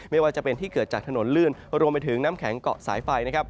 ไม่ว่าจะเป็นที่เกิดจากถนนลื่นรวมไปถึงน้ำแข็งเกาะสายไฟนะครับ